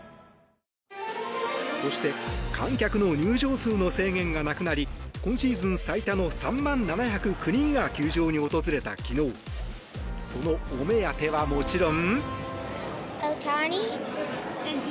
そして観客の入場数の制限がなくなり今シーズン最多の３万７０９人が球場に訪れた昨日そのお目当ては、もちろん。